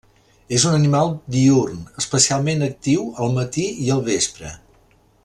És un animal diürn, especialment actiu al matí i el vespre.